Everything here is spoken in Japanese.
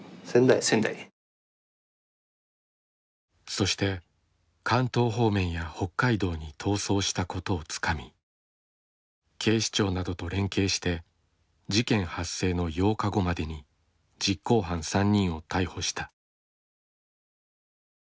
そして関東方面や北海道に逃走したことをつかみ警視庁などと連携して事件発生の８日後までに実行犯３人を逮捕した。